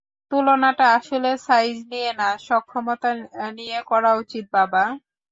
তুলনাটা আসলে সাইজ নিয়ে না, সক্ষমতা নিয়ে করা উচিৎ, বাবা!